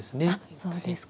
そうですか。